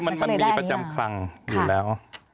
มันมีประจำคลังอยู่แล้ว